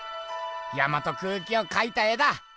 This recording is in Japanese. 山と空気を描いた絵だ。